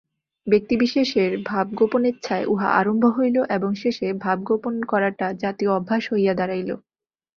ব্যক্তিবিশেষের ভাবগোপনেচ্ছায় উহা আরম্ভ হইল এবং শেষে ভাব গোপন করাটা জাতীয় অভ্যাস হইয়া দাঁড়াইল।